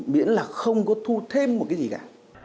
miễn là không có thu thêm một cái gì cả